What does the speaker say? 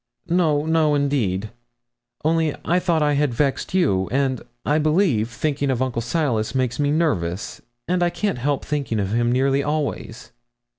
'No, no, indeed only I thought I had vexed you; and, I believe, thinking of Uncle Silas makes me nervous, and I can't help thinking of him nearly always.'